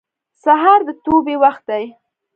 سهار د توبې وخت دی.